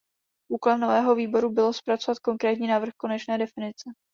Úkolem nového výboru bylo zpracovat konkrétní návrh konečné definice.